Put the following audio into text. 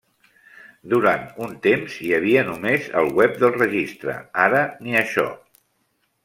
Durant un temps hi havia només el web de registre; ara ni això.